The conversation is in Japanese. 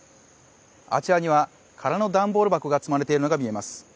あちらには空の段ボール箱が積まれているのが見えます。